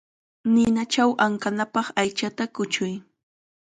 Ninachaw ankanapaq aychata kuchuy.